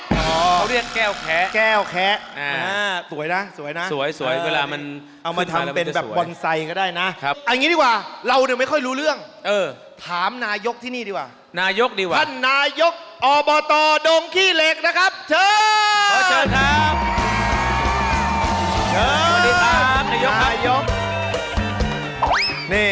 เขาเรียกแก้วแคะสวยนะสวยสวยเวลามันวันทางละเอามาเป็นบอนไซล์ก็ได้นะ